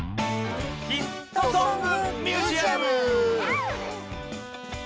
「ヒットソング・ミュージアム」！